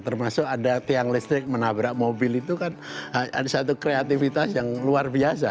termasuk ada tiang listrik menabrak mobil itu kan ada satu kreativitas yang luar biasa